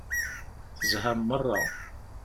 Tezham meṛṛa.